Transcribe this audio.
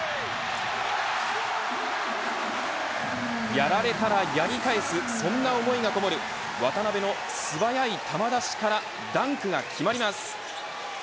やられたらやり返すそんな思いがこもる、渡邊の素早い球出しからダンクが決まります。